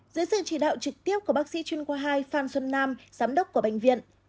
dưới sự chỉ đạo trực tiếp của bác sĩ chuyên khoa hai phan xuân nam giám đốc của bệnh viện